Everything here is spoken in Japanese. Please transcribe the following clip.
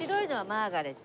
マーガレット。